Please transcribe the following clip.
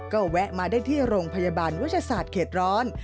ก็แวะมาได้ที่โรงพยาบาลวัชศาสตร์เขตร้อน